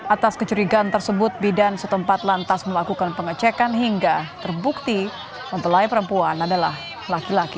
atas kecurigaan tersebut bidan setempat lantas melakukan pengecekan hingga terbukti mempelai perempuan adalah laki laki